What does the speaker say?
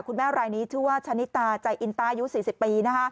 รายนี้ชื่อว่าชะนิตาใจอินตายุ๔๐ปี